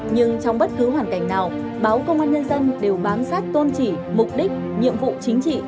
nhưng trong bất cứ hoàn cảnh nào báo công an nhân dân đều bám sát tôn trị mục đích nhiệm vụ chính trị